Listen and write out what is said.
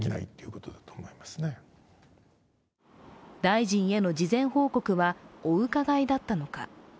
大臣への事前報告は、お伺いだったのか。